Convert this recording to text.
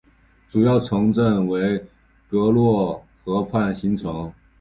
主要城镇为洛特河畔新城。